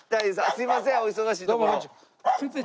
すいませんお忙しいところ。